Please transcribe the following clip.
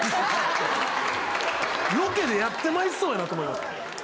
ロケでやってまいそうやなと思いますね。